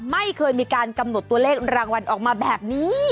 ไม่เคยมีการกำหนดตัวเลขรางวัลออกมาแบบนี้